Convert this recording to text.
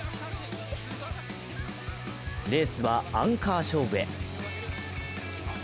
レースはアンカー勝負へ。